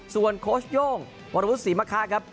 ส่วนโคชโย่งวรรพุธศรีมค่ะครับ